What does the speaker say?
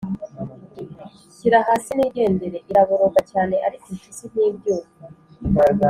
Nshyira hasi nigendere, Iraboroga cyane ariko impyisi ntibyumva